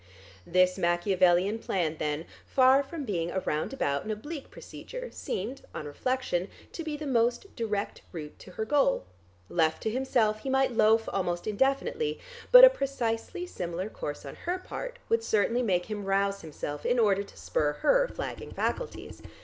This Machiavellian plan then, far from being a roundabout and oblique procedure, seemed, on reflection, to be the most direct route to her goal. Left to himself he might loaf almost indefinitely, but a precisely similar course on her part, would certainly make him rouse himself in order to spur her flagging faculties.